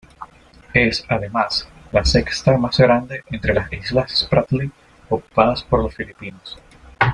Es, además, la sexta más grande entre las islas Spratly ocupadas por los filipinos.